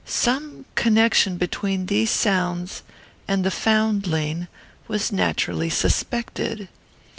"Some connection between these sounds and the foundling was naturally suspected.